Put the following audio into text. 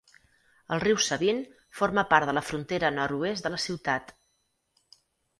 El riu Sabine forma part de la frontera nord-oest de la ciutat.